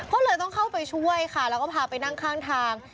ก็เลยต้องเข้าไปช่วยค่ะแล้วก็พาไปนั่งข้างทาง